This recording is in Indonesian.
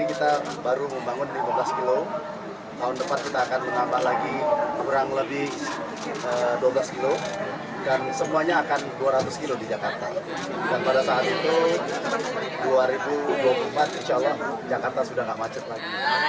iryana menjelaskan meski penumpang kereta dalam kondisi padat kereta mrt masih terbilang nyaman